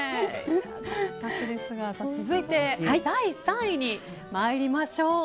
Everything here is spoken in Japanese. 続いて第３位に参りましょう。